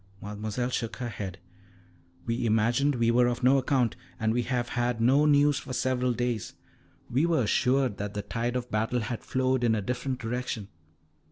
Mademoiselle shook her head. "We imagined we were of no account, and we have had no news for several days. We were assured that the tide of battle had flowed in a different direction."